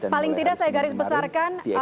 paling tidak saya garisbesarkan